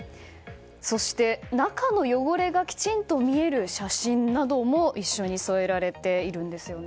そして、中の汚れがきちんと見える写真なども一緒に添えられているんですよね。